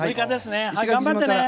頑張ってね！